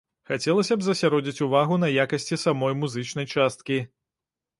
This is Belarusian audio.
Хацелася б засяродзіць увагу на якасці самой музычнай часткі.